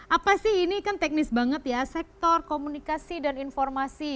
apa sih ini kan teknis banget ya sektor komunikasi dan informasi